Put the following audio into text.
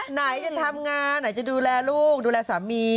ไหนจะทำงานไหนจะดูแลลูกดูแลสามี